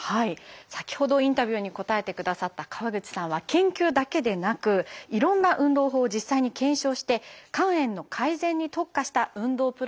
先ほどインタビューに答えてくださった川口さんは研究だけでなくいろんな運動法を実際に検証して肝炎の改善に特化した運動プログラムを開発したんです。